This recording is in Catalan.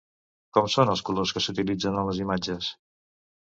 Com són els colors que s'utilitzen en les imatges?